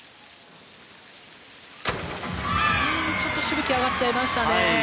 ちょっとしぶき上がっちゃいましたね。